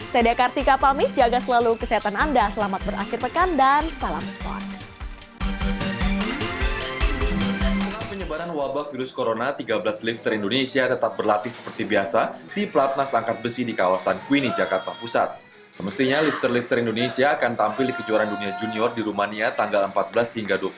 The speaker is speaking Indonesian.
saya dekartika pamit jaga selalu kesehatan anda selamat berakhir pekan dan salam sports